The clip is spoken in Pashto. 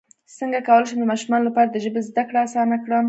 څنګه کولی شم د ماشومانو لپاره د ژبې زدکړه اسانه کړم